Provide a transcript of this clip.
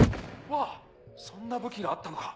わぁそんな武器があったのか。